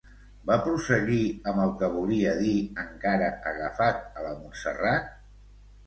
Va prosseguir amb el que volia dir encara agafat a la Montserrat?